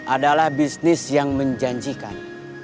adalah bisnis yang menjanjikan